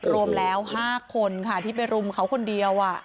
รวมแล้ว๕คนค่ะที่ไปรุมเขาคนเดียว